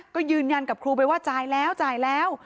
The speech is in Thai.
ก็ยืนยันกับครูไปว่าจ่ายแล้วจ่ายแล้ว